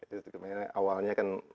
itu kemarin awalnya kan